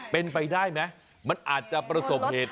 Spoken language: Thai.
เป็นไปได้ไหมมันอาจจะประสบเหตุ